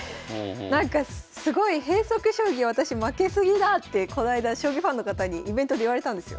なんかすごい変則将棋私負け過ぎだってこないだ将棋ファンの方にイベントで言われたんですよ。